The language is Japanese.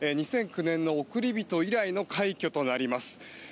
２００９年の「おくりびと」以来の快挙となります。